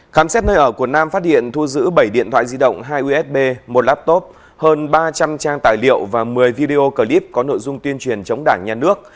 khám xét nơi ở của nam phát hiện thu giữ bảy điện thoại di động hai usb một laptop hơn ba trăm linh trang tài liệu và một mươi video clip có nội dung tuyên truyền chống đảng nhà nước